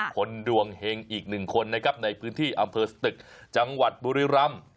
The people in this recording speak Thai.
ดวงเฮงอีกหนึ่งคนนะครับในพื้นที่อำเภอสตึกจังหวัดบุรีรำ